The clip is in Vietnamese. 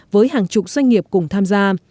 với hàng chục doanh nghiệp cùng tham gia